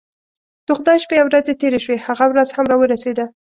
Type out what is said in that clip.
د خدای شپې او ورځې تیرې شوې هغه ورځ هم راورسېده.